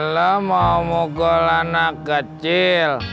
lo mau mogok anak kecil